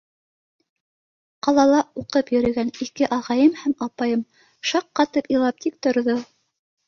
Ҡалала уҡып йөрөгән ике ағайым һәм апайым шаҡ ҡатып илап тик торҙо.